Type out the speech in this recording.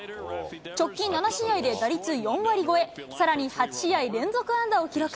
直近７試合で打率４割超え、さらに８試合連続安打を記録。